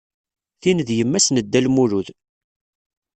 Tin d yemma-s n Dda Lmulud.